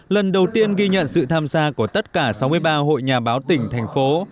lần đầu tiên ghi nhận sự tham gia của tất cả sáu mươi ba hội nhà báo tỉnh thành phố